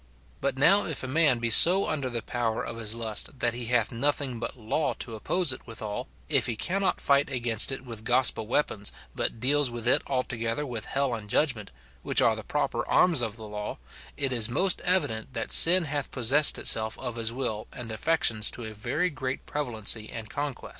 But now if a man be so under the power of his lust that he hath nothing but law to oppose it withal, if he cannot fight against it with gospel weapons, but deals with it altogether with hell and judgment, which are the proper arms of the law, it is most evident that sin hath possessed itself of his will and affections to a very great prevalency and conquest.